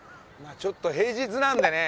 ちょっと平日なんでね